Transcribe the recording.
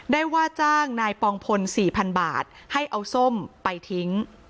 ว่าจ้างนายปองพล๔๐๐๐บาทให้เอาส้มไปทิ้ง